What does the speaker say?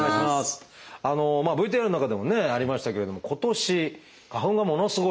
ＶＴＲの中でもねありましたけれども今年花粉がものすごいと。